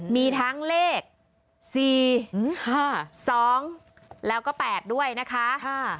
มีทั้งเลข๔๕๒แล้วก็๘ด้วยนะคะ